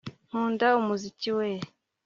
nkunda umuziki we